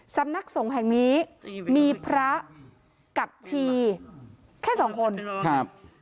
สำนักสงฆ์แห่งนี้มีพระกับชีแค่สองคนครับ